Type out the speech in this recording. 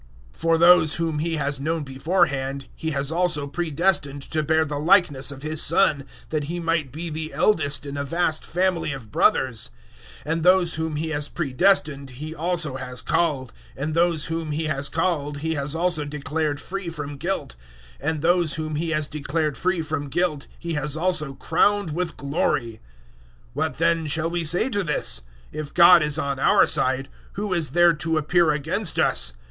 008:029 For those whom He has known beforehand He has also pre destined to bear the likeness of His Son, that He might be the Eldest in a vast family of brothers; 008:030 and those whom He has pre destined He also has called; and those whom He has called He has also declared free from guilt; and those whom He has declared free from guilt He has also crowned with glory. 008:031 What then shall we say to this? If God is on our side, who is there to appear against us?